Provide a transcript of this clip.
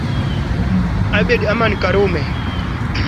Abeid Amana Karume ndio walioongoza muungano huu